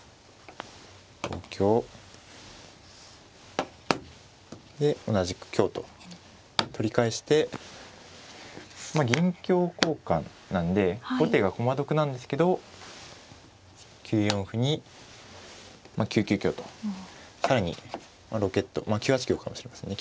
同香で同じく香と取り返してまあ銀香交換なんで後手が駒得なんですけど９四歩にまあ９九香と更にロケットまあ９八香かもしれませんね。